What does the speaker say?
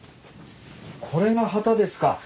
これが機ですか？